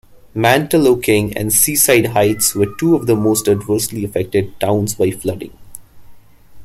Mantaloking and Seaside Heights were two of the most adversely affected towns by flooding.